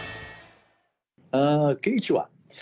こんにちは。